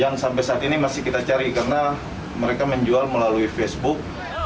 yang sampai saat ini masih kita cari karena mereka menjual melalui facebook